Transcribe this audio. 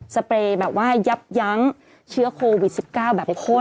เปรย์แบบว่ายับยั้งเชื้อโควิด๑๙แบบข้น